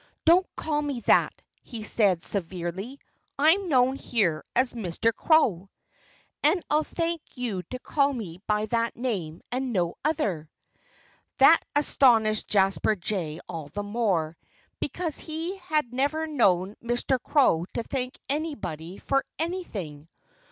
"Don't call me that!" he said severely. "I'm known here as 'Mr. Crow.' And I'll thank you to call me by that name and no other." That astonished Jasper Jay all the more, because he had never known Mr. Crow to thank anybody for anything.